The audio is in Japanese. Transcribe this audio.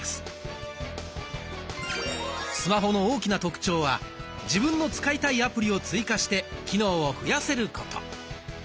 スマホの大きな特徴は自分の使いたいアプリを追加して機能を増やせること。